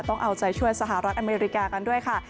ต้องเอาใจช่วยสหรัฐอเมริกากันด้วยค่ะ